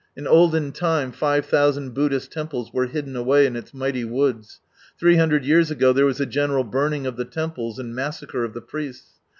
In olden time five thousand Buddhist temples were hidden away in its mighty woods ; three hundred years ago there was a general burning of the temples and massacre of the priests.